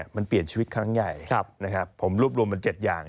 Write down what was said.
มันเปลี่ยนชีวิตขั้นขึ้นใหญ่ผมรูปรวมมัน๗อย่าง